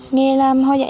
nghề làm hoa dạy